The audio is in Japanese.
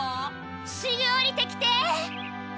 すぐ下りてきて！